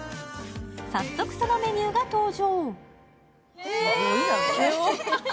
早速そのメニューが登場。